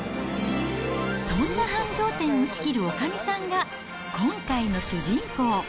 そんな繁盛店を仕切るおかみさんが、今回の主人公。